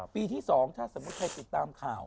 ปีที่๒ถ้าสมมุติใครติดตามข่าว